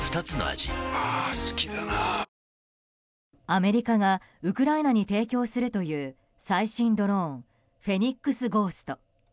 アメリカがウクライナに提供するという最新ドローンフェニックスゴースト。